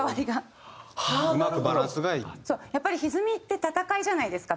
やっぱり歪みって戦いじゃないですか。